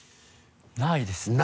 ないですね。